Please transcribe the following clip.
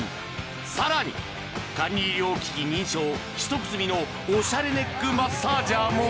さらに管理医療機器認証取得済みのオシャレネックマッサージャーも